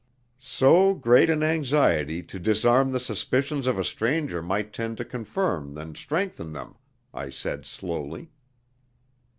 "So great an anxiety to disarm the suspicions of a stranger might tend to confirm and strengthen them," I said, slowly.